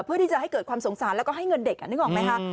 เพื่อที่จะให้เกิดความสงสารแล้วก็ให้เงินเด็กนึกออกไหมคะ